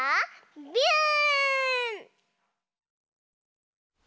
ビューン！